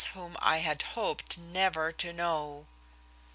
whom I had hoped never to know.